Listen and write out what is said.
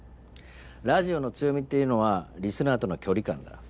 ラジオの強みっていうのはリスナーとの距離感だ。